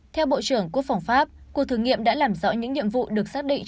theo bộ trưởng quốc phòng pháp cuộc thử nghiệm đã làm rõ những nhiệm vụ được xác định